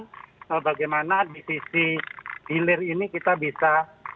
jadi kita harus tahu bagaimana di sisi hilir ini kita bisa